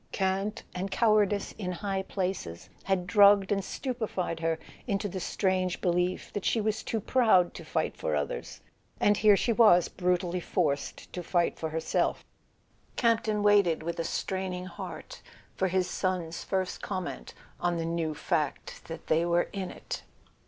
Cant and cowardice in high places had drugged and stupefied her into the strange belief that she was too [ 254 ] A SON AT THE FRONT proud to fight for others; and here she was brutally forced to fight for herself. Camp ton waited with a straining heart for his son's first comment on the new fact that they were "in it."